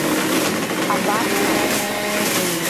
Абар ҳааит!